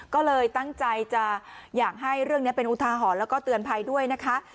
ก็เลยตั้งใจจะอยากให้เรื่องนี้เป็นอุทาหรณ์แล้วก็เตือนภัยด้วยนะคะ